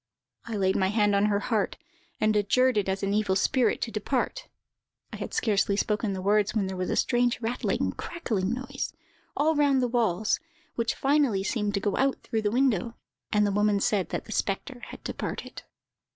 I laid my hand on her head, and adjured it as an evil spirit to depart. I had scarcely spoken the words when there was a strange rattling, crackling noise, all round the walls, which finally seemed to go out through the window; and the woman said that the spectre had departed.